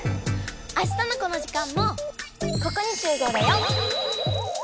あしたのこの時間もここに集合だよ！